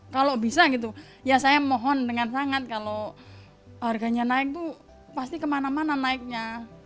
kalau bisa gitu ya saya mohon dengan sangat kalau harganya naik itu pasti kemana mana naiknya